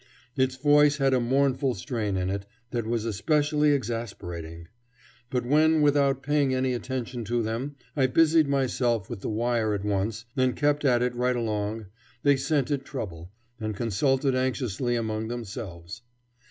Its voice had a mournful strain in it that was especially exasperating. But when, without paying any attention to them, I busied myself with the wire at once, and kept at it right along, they scented trouble, and consulted anxiously among themselves.